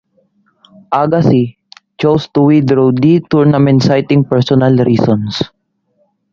Agassi, chose to withdraw the tournament citing personal reasons.